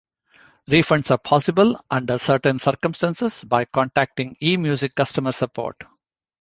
Refunds are possible, under certain circumstances, by contacting eMusic customer support.